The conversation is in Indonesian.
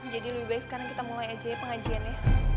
jadi lebih baik sekarang kita mulai aja ya pengajiannya